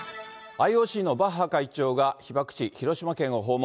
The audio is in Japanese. ＩＯＣのバッハ会長が被爆地、広島県を訪問。